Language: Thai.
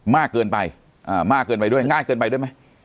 มากเกินไปอ่ามากเกินไปด้วยง่ายเกินไปด้วยไหม